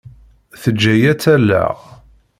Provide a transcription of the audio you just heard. Teǧǧa-iyi ad tt-alleɣ.